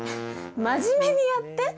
真面目にやって！